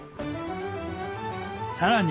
さらに